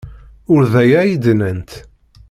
Ur d aya ay d-nnant.